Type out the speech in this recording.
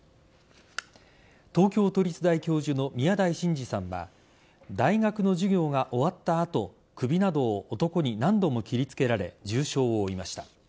東京都立大教授の宮台真司さんは大学の授業が終わった後首などを男に何度も切りつけられ重傷を負いました。